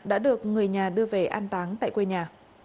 đã được người nhà đưa về an táng tại quê nhà